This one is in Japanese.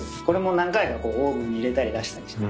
これも何回もオーブンに入れたり出したり。